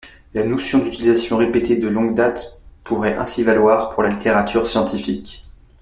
La notion d’utilisation répétée de longue date pourrait ainsi valoir pour la littérature scientifique.